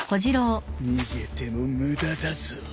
逃げても無駄だぞ。